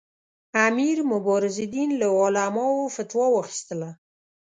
امیر مبارزالدین له علماوو فتوا واخیستله.